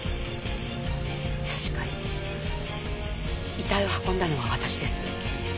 確かに遺体を運んだのは私です。